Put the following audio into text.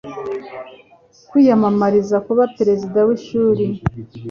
kwiyamamariza kuba perezida w’ishuri